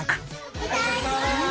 いただきます！